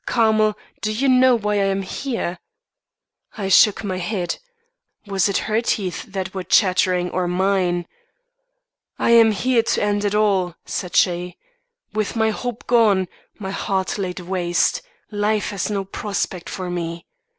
Carmel, do you know why I am here?' I shook my head. Was it her teeth that were chattering or mine? 'I am here to end it all,' said she. 'With my hope gone, my heart laid waste, life has no prospect for me.